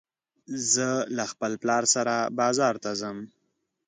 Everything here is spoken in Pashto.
زه له خپل پلار سره بازار ته ځم